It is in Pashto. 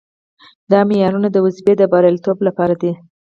دا معیارونه د وظیفې د بریالیتوب لپاره دي.